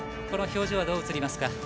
この表情、どう映りますか？